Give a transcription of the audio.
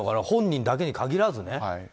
本人だけに限らずね。